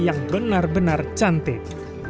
yang benar benar cantik